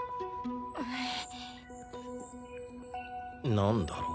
何だろう？